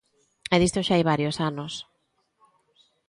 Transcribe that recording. E disto xa hai varios anos.